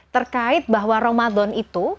terkait bahwa ramadan itu